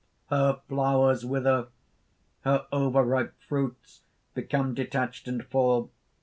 (_Her flowers wither, her over ripe fruits become detached and fall.